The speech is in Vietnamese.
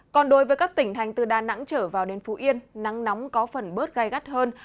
còn đối với các tỉnh thành từ đà nẵng trở vào đến phú yên nắng nóng có phần bớt gai gắt hơn